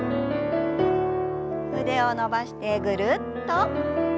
腕を伸ばしてぐるっと。